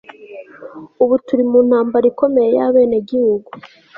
Ubu turi mu ntambara ikomeye yabenegihugu